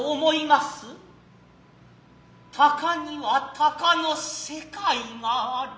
鷹には鷹の世界がある。